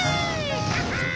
ハハッア！